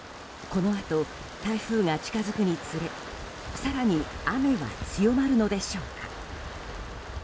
このあと、台風が近づくにつれ更に雨は強まるのでしょうか？